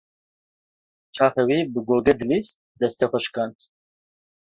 Çaxê wî bi gogê dilîst, destê xwe şikand.